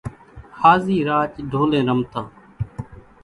هازِي راچ ڍولين رمتان۔